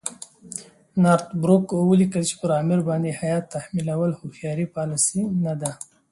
نارت بروک ولیکل چې پر امیر باندې هیات تحمیلول هوښیاره پالیسي نه ده.